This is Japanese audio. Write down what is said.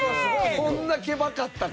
そんなケバかったっけ？